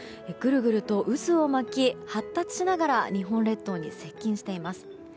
ぐるぐると渦を巻き発達しながら日本列島に接近しています。